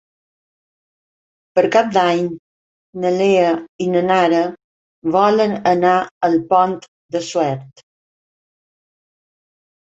Per Cap d'Any na Lea i na Nara volen anar al Pont de Suert.